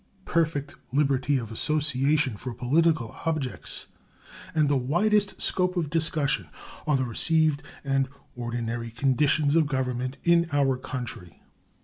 Perfect liberty of association for political objects and the widest scope of discussion are the received and ordinary conditions of government in our country.